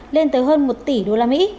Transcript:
lên tới hơn một tỷ usd